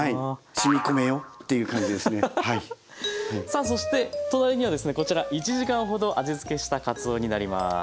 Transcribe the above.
さあそして隣にはですねこちら１時間ほど味付けしたかつおになります。